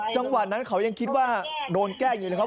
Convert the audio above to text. จังหวะนั้นเขายังคิดว่าโดนแกล้งอยู่นะครับ